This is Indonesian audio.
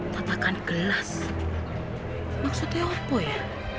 tatakan gelas maksudnya opo ya